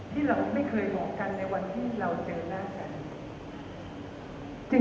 ที่เราไม่เคยบอกกันในวันที่เราเจอหน้ากัน